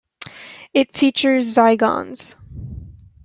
It features Zygons.